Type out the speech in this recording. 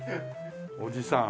おじさん。